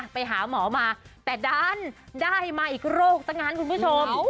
ไปหาหมอมาแต่ดันได้มาอีกโรคซะงั้นคุณผู้ชม